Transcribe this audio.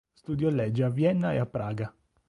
Studiò legge a Vienna e a Praga.